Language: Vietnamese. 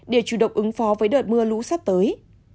để chủ động ứng phó với đợt mưa lũ sắp tới